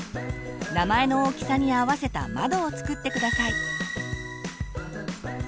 名前の大きさに合わせた窓を作って下さい。